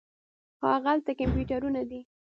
هاغلته کمپیوټرونه دي.